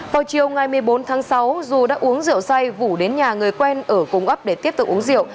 vào chiều ngày một mươi bốn tháng sáu dù đã uống rượu say vũ đến nhà người quen ở cung ấp để tiếp tục uống rượu